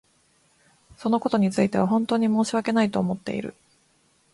そのことについては本当に申し訳ないと思っている。